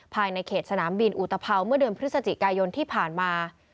ภายในเขตสนามบินอุตภาวเมื่อเดือนพฤศจิกายนที่ผ่านมา